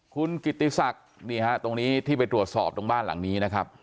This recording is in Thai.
คุณกิติศักดิ์นี่ฮะตรงนี้ที่ไปตรวจสอบตรงบ้านหลังนี้นะครับ